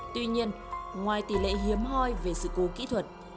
tuy nhiên ngoài tỷ lệ hiếm hoi về sự cố kỹ thuật